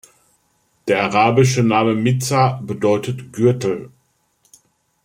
Der arabische Name "Mizar" bedeutet „Gürtel“.